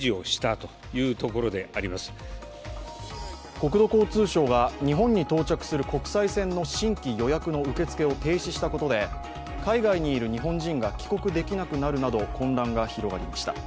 国土交通省が日本に到着する国際線の新規予約の受付を停止したことで海外にいる日本人が帰国できなくなるなど混乱が広がりました。